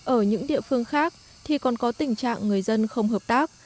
ở những địa phương khác thì còn có tình trạng người dân không hợp tác